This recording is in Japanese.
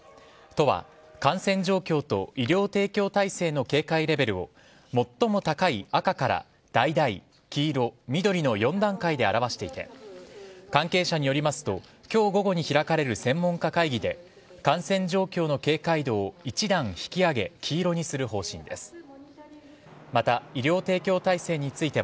都は感染状況と医療提供体制の警戒レベルを最も高い赤からだいだい、黄色、緑の４段階で表していて関係者によりますと今日午後に開かれる専門家会議で感染状況の警戒度を一段引き上げ黄色にする方針です。